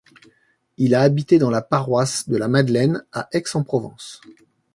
Il a habité dans la paroisse de la Madeleine, à Aix-en-Provence.